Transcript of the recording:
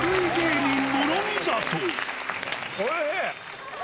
おいひい！